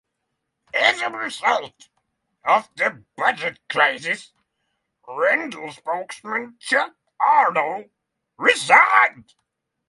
As a result of the budget crisis, Rendell spokesman Chuck Ardo resigned.